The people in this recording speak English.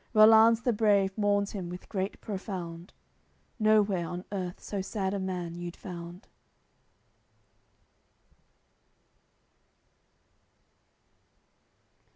Rollanz the brave mourns him with grief profound; Nowhere on earth so sad a man you'd found.